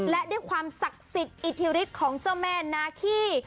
และด้วยความศักดิ์สิทธิ์อิทธิฤทธิ์ของเจ้าแม่นาคี